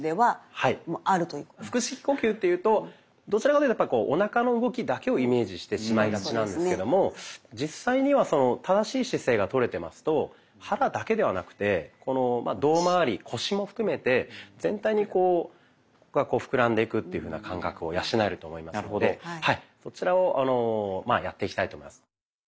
腹式呼吸というとどちらかというとおなかの動きだけをイメージしてしまいがちなんですけども実際には正しい姿勢がとれてますと腹だけではなくて胴まわり腰も含めて全体にこう膨らんでいくっていうふうな感覚を養えると思いますのでそちらをやっていきたいと思います。